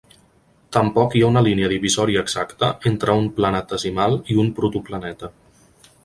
Tampoc hi ha una línia divisòria exacta entre un planetesimal i un protoplaneta.